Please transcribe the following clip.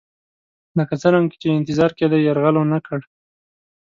لکه څرنګه چې انتظار یې کېدی یرغل ونه کړ.